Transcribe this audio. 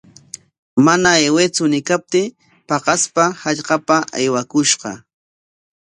Mana aywaytsu ñiykaptii paqaspa hallqapa aywakushqa.